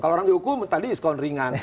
kalau orang dihukum tadi diskon ringan